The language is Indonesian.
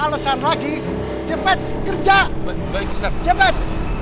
alasan lagi cepet kerja baik baik cepet